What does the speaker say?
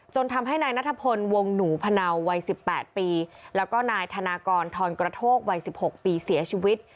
ทำให้นายนัทพลวงหนูพนาววัย๑๘ปีแล้วก็นายธนากรทอนกระโทกวัย๑๖ปีเสียชีวิต